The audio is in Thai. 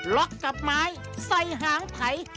ล็อกกับไม้ใส่หางไผ่